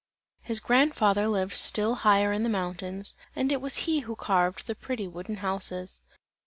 His grandfather lived still higher in the mountains, and it was he who carved the pretty wooden houses.